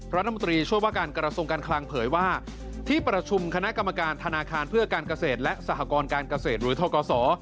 รัฐมนตรีช่วยว่าการกระทรวงการคลังเผยว่าที่ประชุมคณะกรรมการธนาคารเพื่อการเกษตรและสหกรการเกษตรหรือทกศ